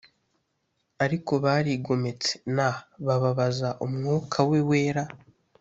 Ariko barigometse n bababaza umwuka we wera